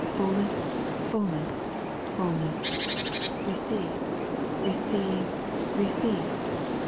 Fullness! Fullness! Fullness! _Receive! Receive! Receive!